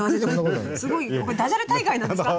すごいここダジャレ大会なんですか？